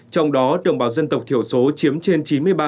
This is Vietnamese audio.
trong đó đồng bào dân tộc thiểu số chiếm trên chín mươi ba